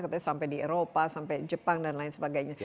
katanya sampai di eropa sampai jepang dan lain sebagainya